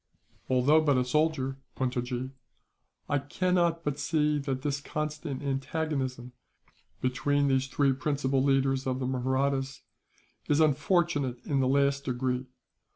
"Although but a soldier, Puntojee, I cannot but see that this constant antagonism, between the three principal leaders of the Mahrattas, is unfortunate in the last degree.